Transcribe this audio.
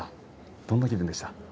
どんな気分でしたか。